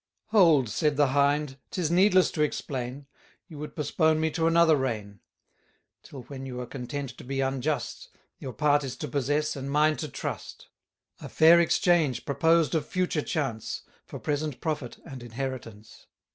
Hold, said the Hind, 'tis needless to explain; You would postpone me to another reign; Till when you are content to be unjust: Your part is to possess, and mine to trust. 850 A fair exchange proposed of future chance, For present profit and inheritance.